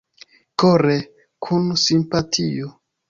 Kore, kun simpatio!